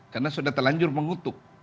karena sudah telanjur mengutuk